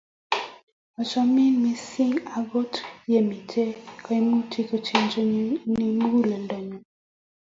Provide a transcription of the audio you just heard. Achamin missing, angot yemi kaimutik kocheng'in muguleldanyu